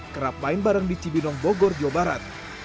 kerap main bareng di cibinong bogor jawa barat